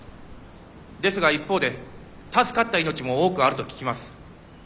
ですが一方で助かった命も多くあると聞きます。